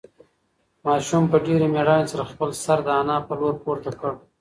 ماشوم په ډېرې مېړانې سره خپل سر د انا په لور پورته کړ.